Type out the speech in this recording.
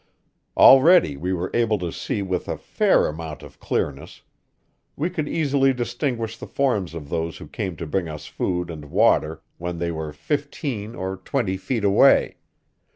Already we were able to see with a fair amount of clearness; we could easily distinguish the forms of those who came to bring us food and water when they were fifteen or twenty feet away.